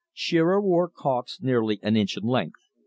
Shearer wore caulks nearly an inch in length.